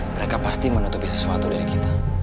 mereka pasti menutupi sesuatu dari kita